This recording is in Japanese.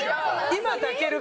「今抱ける？」